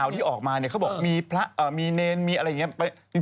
ที่ออกมาเนี่ยเขาบอกมีพระมีเนรมีอะไรอย่างนี้